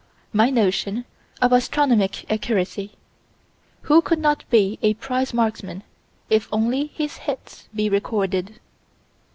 My notion of astronomic accuracy: Who could not be a prize marksman, if only his hits be recorded?